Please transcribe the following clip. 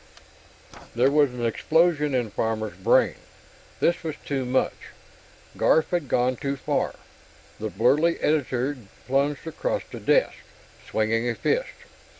There was an explosion in Farmer's brain. This was too much Garf had gone too far! The burly editor plunged across the deck, swinging a fist.